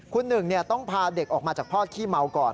คุณหนึ่งต้องพาเด็กออกมาจากพ่อขี้เมาก่อน